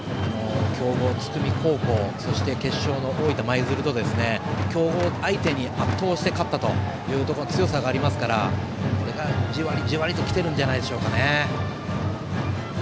強豪の津久見高校そして決勝の大分舞鶴と強豪相手に圧倒して勝ったという強さがありますからこれがじわりじわりと来てるんじゃないでしょうかね。